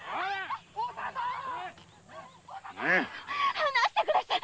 離してください！